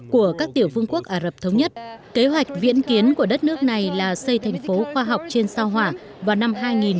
của các tiểu vương quốc ả rập thống nhất kế hoạch viễn kiến của đất nước này là xây thành phố khoa học trên sao hỏa vào năm hai nghìn hai mươi